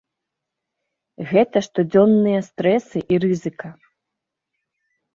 Гэта штодзённыя стрэсы і рызыка.